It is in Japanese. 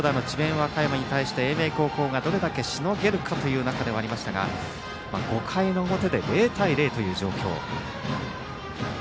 和歌山に対して英明高校がどれだけしのげるかという中でしたが５回の表で０対０という状況。